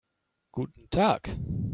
Guten Tag.